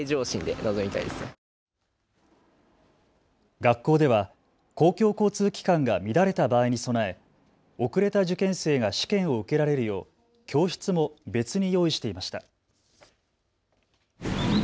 学校では公共交通機関が乱れた場合に備え、遅れた受験生が試験を受けられるよう教室も別に用意していました。